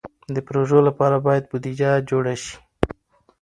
د پروژو لپاره باید بودیجه جوړه شي.